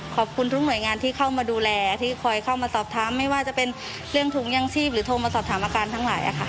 ขอบคุณทุกหน่วยงานที่เข้ามาดูแลที่คอยเข้ามาสอบถามไม่ว่าจะเป็นเรื่องถุงยังชีพหรือโทรมาสอบถามอาการทั้งหลายค่ะ